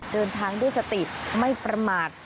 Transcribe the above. เดินทางด้วยสติไม่ประมาท